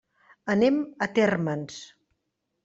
Anem a Térmens.